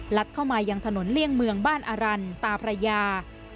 เข้ามายังถนนเลี่ยงเมืองบ้านอารันตาพระยา